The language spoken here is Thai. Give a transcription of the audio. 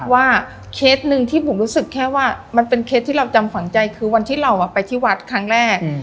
เคสหนึ่งที่ผมรู้สึกแค่ว่ามันเป็นเคสที่เราจำฝังใจคือวันที่เราไปที่วัดครั้งแรก